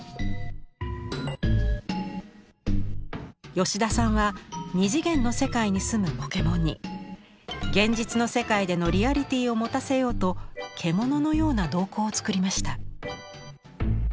吉田さんは２次元の世界に住むポケモンに現実の世界でのリアリティーを持たせようと獣のような瞳孔を作りました。